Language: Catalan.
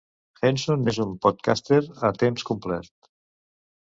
Henson és un podcaster a temps complet.